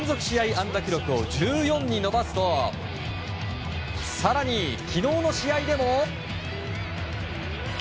安打記録を１４に伸ばすと更に昨日の試合でも。